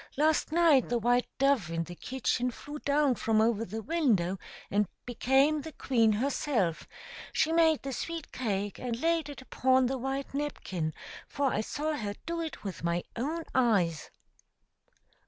Last night the white dove in the kitchen flew down from over the window and became the queen herself; she made the sweet cake and laid it upon the white napkin, for I saw her do it with my own eyes."